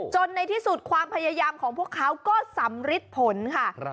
ในที่สุดความพยายามของพวกเขาก็สำริดผลค่ะ